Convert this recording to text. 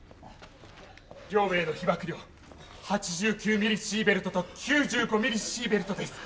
両名の被ばく量８９ミリシーベルトと９５ミリシーベルトです。